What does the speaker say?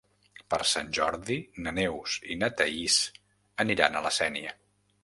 Per Sant Jordi na Neus i na Thaís aniran a la Sénia.